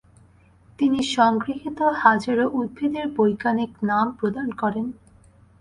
তিনি সংগৃহীত হাজারো উদ্ভিদের বৈজ্ঞানিক নাম প্রদান করেন।